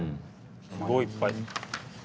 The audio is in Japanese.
すごいいっぱい。